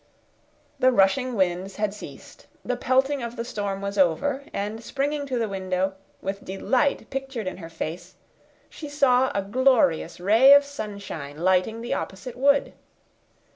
The rushing winds had ceased, the pelting of the storm was over, and, springing to the window, with delight pictured in her face, she saw a glorious ray of sunshine lighting the opposite wood.